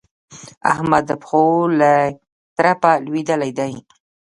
احمد د پښو له ترپه لوېدلی دی.